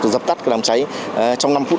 dập tắt đám cháy trong năm phút